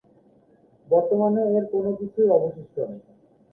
বর্তমানে এর কোন কিছুই অবশিষ্ট নেই।